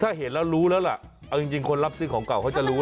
ถ้าเห็นแล้วรู้แล้วล่ะเอาจริงคนรับซื้อของเก่าเขาจะรู้